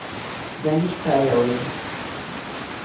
Grande estréia hoje